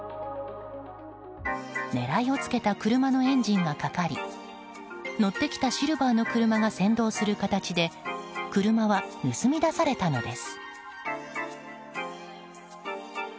狙いを付けた車のエンジンがかかり乗ってきたシルバーの車が先導する形で車は盗み出されたのです。